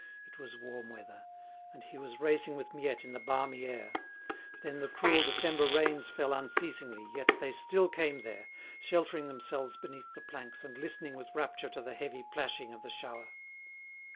It was warm weather; and he was racing with Miette in the balmy air. Then the cruel December rains fell unceasingly, yet they still came there, sheltering themselves beneath the planks and listening with rapture to the heavy plashing of the shower.